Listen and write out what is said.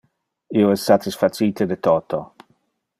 Io es satisfacite de toto.